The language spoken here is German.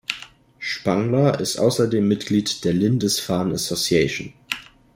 Spangler ist außerdem Mitglied der "Lindisfarne Association".